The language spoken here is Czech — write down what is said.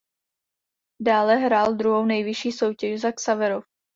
Dále hrál druhou nejvyšší soutěže za Xaverov.